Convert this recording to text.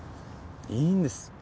いいんです。